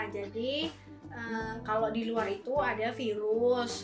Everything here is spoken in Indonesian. jadi kalau di luar itu ada virus